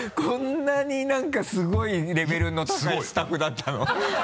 こんなに何かすごいレベルの高いスタッフだったの？